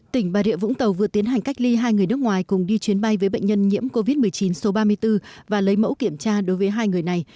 tỉnh bà rịa vũng tàu vừa tiến hành cách ly hai người nước ngoài cùng đi chuyến bay với bệnh nhân nhiễm covid một mươi chín số ba mươi bốn và lấy mẫu kiểm tra đối với hai người này